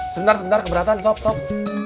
sebentar sebentar keberatan sob sob